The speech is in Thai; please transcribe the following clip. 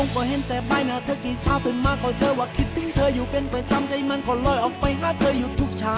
แพ่ชีวิตกากู